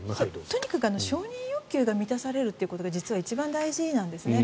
とにかく承認欲求が満たされることが実は一番大事なんです。